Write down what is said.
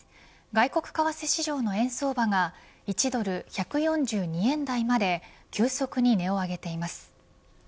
外国為替市場の円相場が１ドル１４２円台まで急速に値を上げています。